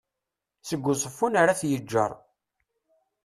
seg uẓeffun ar at yeğğer